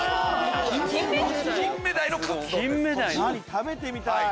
食べてみたい！